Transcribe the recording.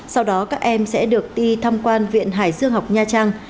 sau đó các em sẽ được đi thăm quan viện hải dương học nha trang